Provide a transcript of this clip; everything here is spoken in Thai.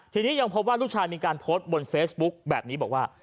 ทีนี้ยังพบว่าลูกชายมีการโพสต์บนเฟซบุ๊คแบบนี้บอกว่า